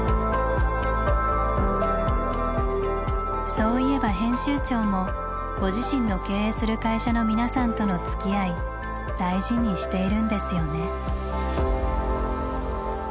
そういえば編集長もご自身の経営する会社の皆さんとのつきあい大事にしているんですよね。